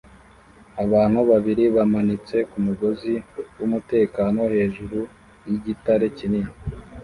Abantu babiri bamanitse kumugozi wumutekano hejuru yigitare kinini